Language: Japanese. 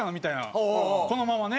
このままね。